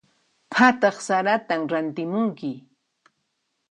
Phataq saratan rantimunki.